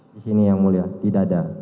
di sini yang mulia di dada